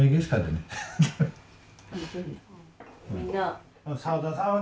みんなは？